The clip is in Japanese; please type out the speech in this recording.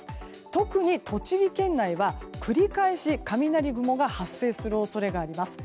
特に栃木県内は繰り返し雷雲が発生する恐れがあります。